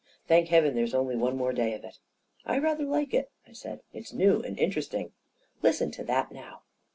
Thank heaven there's only one more day of it 1 "" I rather like it," I said. " It's new and inter esting. Listen to that, now